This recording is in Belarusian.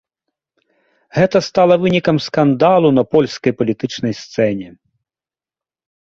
Гэта стала вынікам скандалу на польскай палітычнай сцэне.